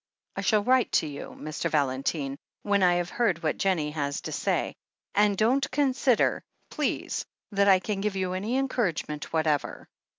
"I shall write to you, Mr. Valentine, when I have heard what Jennie has to say. And don't consider, please, that I can give you any encouragement whatever.